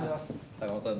坂本さん